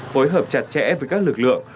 phối hợp chặt chẽ với các lực lượng